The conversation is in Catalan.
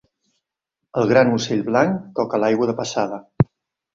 El gran ocell blanc toca l'aigua de passada.